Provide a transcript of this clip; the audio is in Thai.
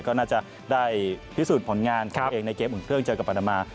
ก็น่าจะได้พิสูจน์ผลงานของตัวเองในเกมอุ่นเครื่องเจอกับปานามา